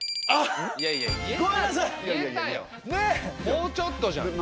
もうちょっとじゃん！